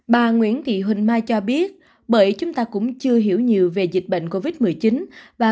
bà nguyễn thị huỳnh mai cho biết bởi chúng ta cũng chưa hiểu nhiều về dịch bệnh covid một mươi chín và